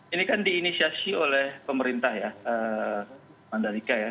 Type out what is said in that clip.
ini kan diinisiasi oleh pemerintah ya mandali kai ya